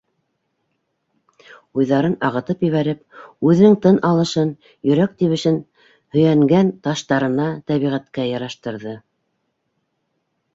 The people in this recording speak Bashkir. Уйҙарын ағытып ебәреп, үҙенең тын алышын, йөрәк тибешен һөйәнгән таштарына, тәбиғәткә яраштырҙы.